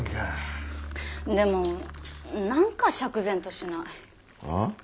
でもなんか釈然としない。はあ？